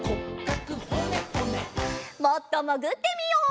もっともぐってみよう。